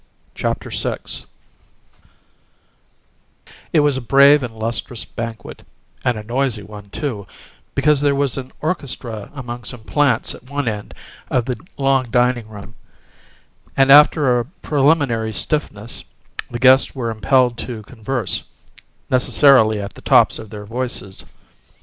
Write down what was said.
CHAPTER VI It was a brave and lustrous banquet; and a noisy one, too, because there was an orchestra among some plants at one end of the long dining room, and after a preliminary stiffness the guests were impelled to converse necessarily at the tops of their voices.